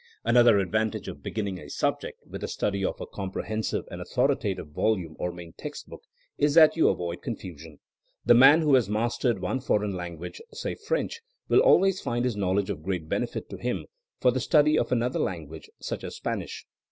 Another advantage of beginning a subject with the study of a comprehensive and authori tative volume or main textbook, is that you avoid confusion. The man who has mastered one foreign language, say French, will always find his knowledge of great benefit to him :or the study of another language, such as Spanish.